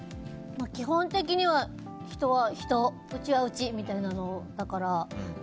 基本的には、人は人うちはうちみたいなのだから。